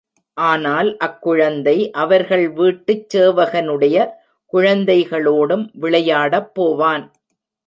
ஆனால் அக்குழந்தை அவர்கள் வீட்டுச் சேவகனுடைய குழந்தைகளோடும் விளையாடப் போவான்.